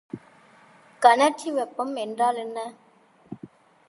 கனற்சி வெப்பம் என்றால் என்ன?